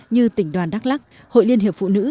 như tỉnh đoàn đắk lắc hội liên hiệp phụ nữ